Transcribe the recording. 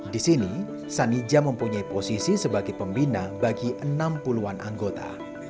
di sini sanija mempunyai posisi sebagai pembina bagi enam puluh an anggota